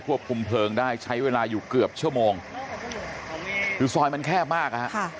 คุมเพลิงได้ใช้เวลาอยู่เกือบชั่วโมงคือซอยมันแคบมากนะฮะ